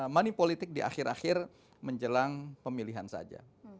manipolitik di akhir akhir menjelang pemilihan saja